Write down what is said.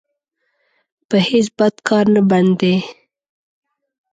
په هېڅ بد کار نه بند دی.